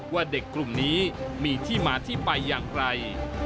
ว่าเด็กกลุ่มนี้มีที่มาที่ไปอย่างไร